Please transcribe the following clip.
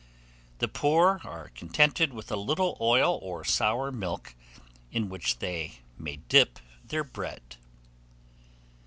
The poor are contented with a little oil or sour milk, in which they may dip their bread.